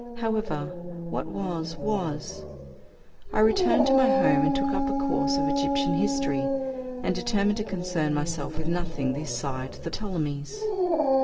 However, what was, was! I returned to my home and took up a course of Egyptian history, and determined to concern myself with nothing this side the Ptolemies.